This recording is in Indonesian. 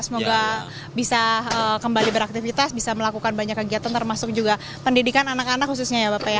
semoga bisa kembali beraktivitas bisa melakukan banyak kegiatan termasuk juga pendidikan anak anak khususnya ya bapak ya